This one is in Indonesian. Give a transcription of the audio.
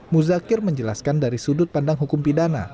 muzakir menjelaskan dari sudut pandang hukum pidana